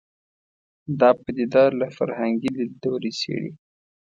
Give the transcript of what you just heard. دا پدیده له فرهنګي لید لوري څېړي